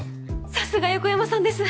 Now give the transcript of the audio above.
さすが横山さんです。